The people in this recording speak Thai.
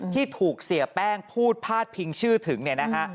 ที่ถูกเสียแป้งพูดพาดพิงชื่อถึงเนี่ยนะฮะ